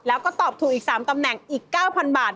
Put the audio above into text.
แล้วก็ตอบถูกอีก๓ตำแหน่งอีก๙๐๐บาท